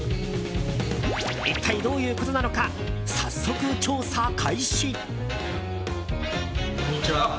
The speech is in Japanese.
一体どういうことなのか早速、調査開始。